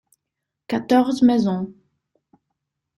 Quatorze maisons.